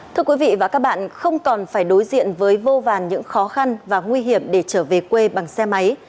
thưa quý vị và các bạn không còn phải đối diện với vô vàn những khó khăn và nguy hiểm để trở về quê bằng xe máy